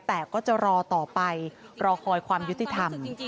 แต่ก็จะรอต่อไปรอคอยความยุติธรรม